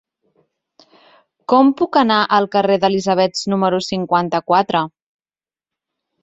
Com puc anar al carrer d'Elisabets número cinquanta-quatre?